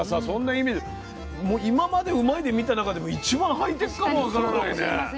今まで「うまいッ！」で見た中でも一番ハイテクかもわからないね。